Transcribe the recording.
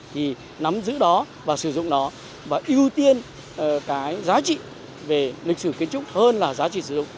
thì nắm giữ đó và sử dụng nó và ưu tiên cái giá trị về lịch sử kiến trúc hơn là giá trị sử dụng